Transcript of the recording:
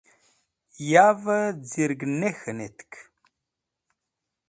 Yavẽ z̃irg ne k̃hẽnetk